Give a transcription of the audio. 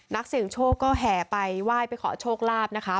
นักศึงโชคก็แห่ไปว่ายไปขอโชคลาบนะครับ